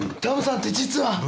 タムさんって実は。